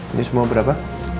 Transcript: ini semua berapa